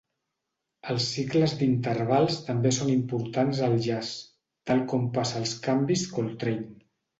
Els cicles d"intervals també són importants al jazz, tal com passa als canvis Coltrane.